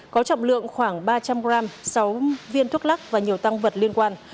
có trọng lượng khoảng ba trăm linh g sáu viên thuốc lắc và nhiều tăng vật liên quan